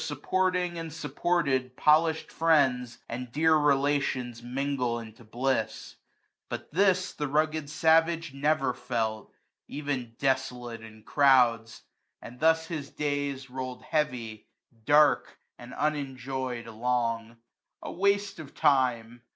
Supporting and supported, polished friends^ And dear relations mingle into bliss. But this the rugged savage never felt> £T*n desolate in crowds ; and thus his days 70 'Roird heavy, dark, and unenjoy'd along : A waste of time